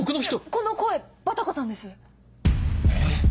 いやこの声バタコさんです！